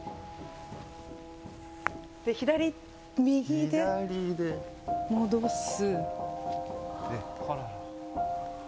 で、左右で、戻す。